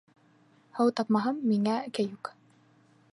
Һыу тапмаһам, миңә кәйүк.